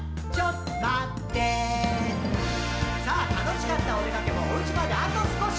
「さぁ楽しかったおでかけもお家まであと少し」